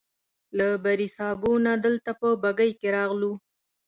له بریساګو نه دلته په بګۍ کې راغلو.